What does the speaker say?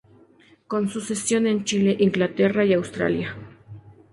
Con sucesión en Chile, Inglaterra y Australia.